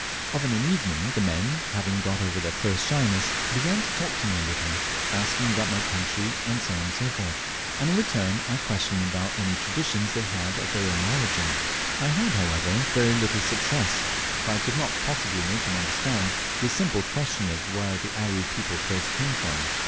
Of an evening the men, having got over their first shyness, began to talk to me a little, asking about my country, &c., and in return I questioned them about any traditions they had of their own origin. I had, however, very little success, for I could not possibly make them understand the simple question of where the Aru people first came from.